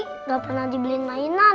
gak pernah dibeliin mainan